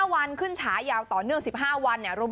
วันขึ้นฉายาวต่อเนื่อง๑๕วันเนี่ย